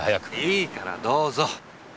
いいからどうぞ！